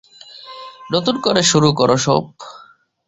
নতুন করে শুরু করো সব।